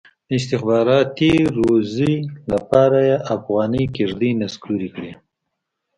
د استخباراتي روزۍ لپاره یې افغاني کېږدۍ نسکورې کړي.